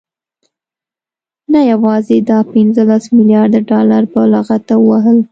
نه يوازې دا پنځلس مليارده ډالر په لغته ووهل،